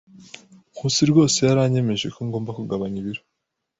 Nkusi rwose yaranyemeje ko ngomba kugabanya ibiro.